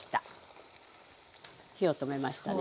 火を止めましたね。